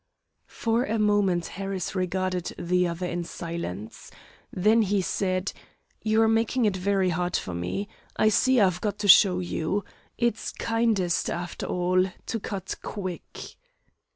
For a moment Harris regarded the other in silence. Then he said: "You're making it very hard for me. I see I've got to show you. It's kindest, after all, to cut quick."